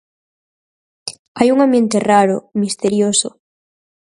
hai un ambiente raro, misterioso.